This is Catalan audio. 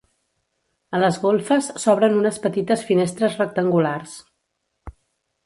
A les golfes s'obren unes petites finestres rectangulars.